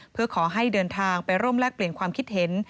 เพื่อขอให้เดินทางไปร่วมแลกเปลี่ยนความคิดเห็น